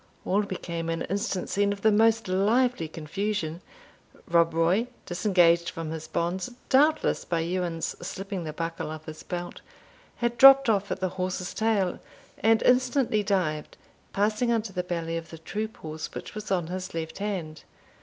All became an instant scene of the most lively confusion. Rob Roy, disengaged from his bonds, doubtless by Ewan's slipping the buckle of his belt, had dropped off at the horse's tail, and instantly dived, passing under the belly of the troop horse which was on his left hand.